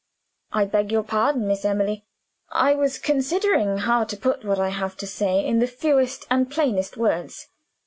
"I beg your pardon, Miss Emily; I was considering how to put what I have to say in the fewest and plainest words.